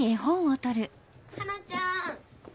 ハナちゃん！